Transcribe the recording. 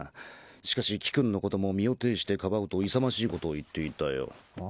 しかし貴君のことも「身をていしてかばう」と勇ましいことを言っていたよ。